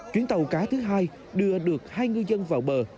chuyến tàu cá thứ hai đưa được hai ngư dân vào bờ